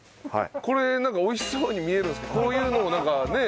これなんか美味しそうに見えるんですけどこういうのをなんかね。